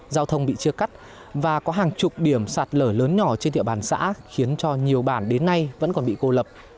giao thông bị chia cắt và có hàng chục điểm sạt lở lớn nhỏ trên địa bàn xã khiến cho nhiều bản đến nay vẫn còn bị cô lập